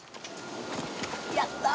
やったー！